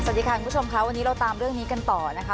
สวัสดีค่ะคุณผู้ชมค่ะวันนี้เราตามเรื่องนี้กันต่อนะคะ